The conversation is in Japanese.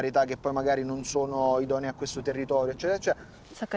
そっか。